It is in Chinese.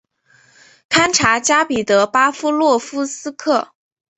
堪察加彼得巴夫洛夫斯克。